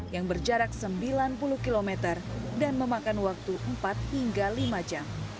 yang berjarak sembilan puluh km dan memakan waktu empat hingga lima jam